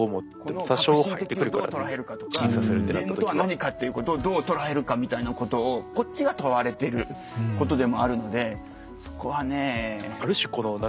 つまりこのこの「革新的」をどう捉えるかとかゲームとは何かっていうことをどう捉えるかみたいなことをこっちが問われてることでもあるのでそこはね嫌だった。